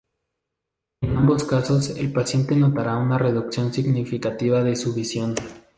En ambos casos el paciente notara una reducción significativa de su visión.